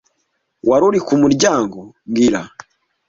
Wari uri ku muryango mbwira